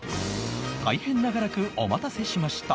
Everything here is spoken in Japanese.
大変長らくお待たせしました